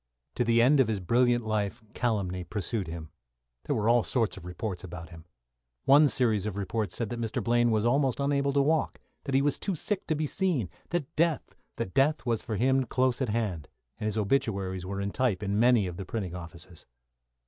To the end of his brilliant life calumny pursued him. There were all sorts of reports about him. One series of reports said that Mr. Blaine was almost unable to walk; that he was too sick to be seen; that death was for him close at hand, and his obituaries were in type in many of the printing offices.